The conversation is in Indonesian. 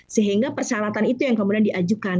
sehingga persyaratan itu yang kemudian diajukan